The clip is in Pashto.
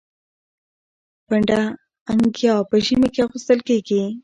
پنډه انګيا په ژمي کي اغوستل کيږي.